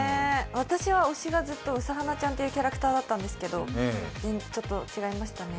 私は推しがずっとウサハナちゃんっていうキャラクターだったんですけど、ちょっと違いましたね。